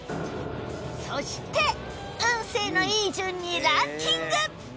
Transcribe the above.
そして運勢のいい順にランキング